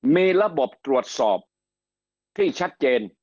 มีระบบตรวจสอบที่ชัดเจน